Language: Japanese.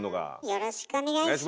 よろしくお願いします！